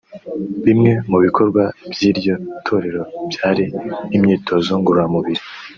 Bimwe mu bikorwa by’iryo torero byari imyitozo ngororamubiri